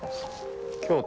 京都